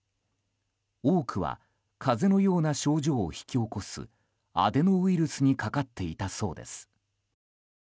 多くは風邪のような症状を引き起こすアデノウイルスにかかっていたそうです。